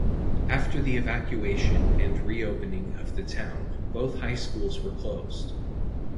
After the evacuation and re-opening of the town both high schools were closed.